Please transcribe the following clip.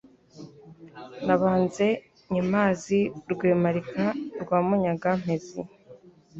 Nabanze Nyemazi Rwemarika rwa Munyaga-mpezi